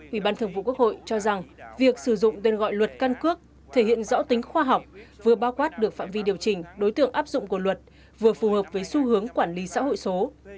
ủy ban thường vụ quốc hội cho rằng việc sử dụng tên gọi luật căn cước thể hiện rõ tính khoa học vừa bao quát được phạm vi điều chỉnh đối tượng áp dụng của luật vừa phù hợp với xu hướng quản lý xã hội số